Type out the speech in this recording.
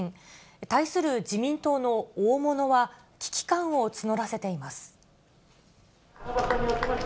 対する自民党の大物は、危機感を募らせています。